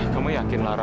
kamu punya lara